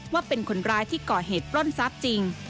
ว่าเป็นคนร้ายที่ก่อเหตุปล้นทรัพย์จริง